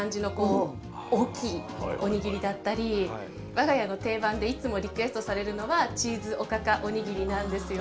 我が家の定番でいつもリクエストされるのはチーズおかかおにぎりなんですよ。